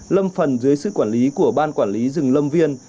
lâm phần dưới sự quản lý của ban quản lý rừng lâm viên